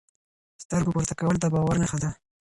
سترګو پورته کول د باور نښه ده.